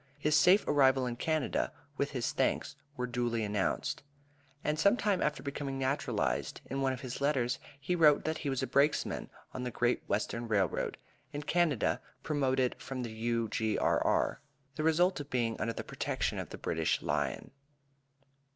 His safe arrival in Canada, with his thanks, were duly announced. And some time after becoming naturalized, in one of his letters, he wrote that he was a brakesman on the Great Western R.R., (in Canada promoted from the U.G.R.R.,) the result of being under the protection of the British Lion.